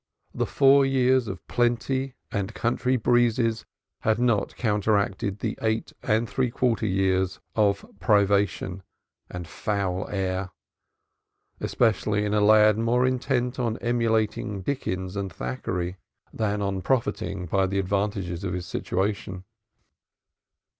the four years of plenty and country breezes had not counteracted the eight and three quarter years of privation and foul air, especially in a lad more intent on emulating Dickens and Thackeray than on profiting by the advantages of his situation.